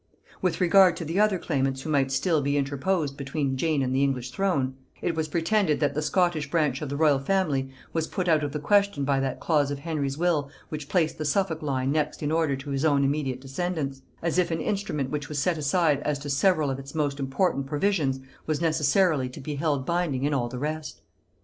With regard to the other claimants who might still be interposed between Jane and the English throne, it was pretended that the Scottish branch of the royal family was put out of the question by that clause of Henry's will which placed the Suffolk line next in order to his own immediate descendants; as if an instrument which was set aside as to several of its most important provisions was necessarily to be held binding in all the rest.